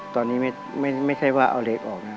ตอนนี้ไม่ใช่ว่าเอาเหล็กออกนะ